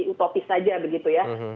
utopis saja begitu ya